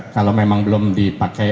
kalau memang belum dipakai